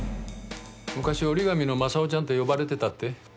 昔折り紙の正雄ちゃんって呼ばれてたって？